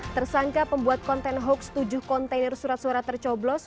tersangka pembuat konten hoax tujuh kontainer surat suara tercoblos